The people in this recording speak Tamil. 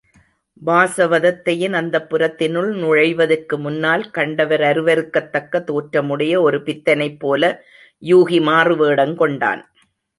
வாசவதத்தையின் அந்தப்புரத்தினுள் நுழைவதற்கு முன்னால், கண்டவர் அருவருக்கத்தக்க தோற்றமுடைய ஒரு பித்தனைப்போல யூகி மாறுவேடங் கொண்டான்.